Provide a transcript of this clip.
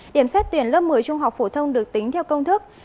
điểm xét tuyển lớp một mươi trung học phổ thông được tính theo công thức